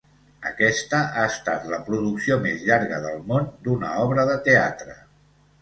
Aquesta ha estat la producció més llarga del món d'una obra de teatre.